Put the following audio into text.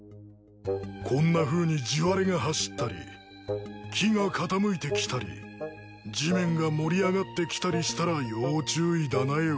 こんなふうに地割れが走ったり木が傾いてきたり地面が盛り上がってきたりしたら要注意だなよ。